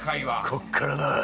「こっからだ！」